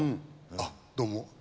あっどうも。